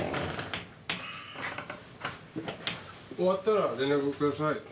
終わったら連絡ください。